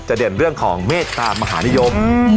เด่นเรื่องของเมตตามหานิยม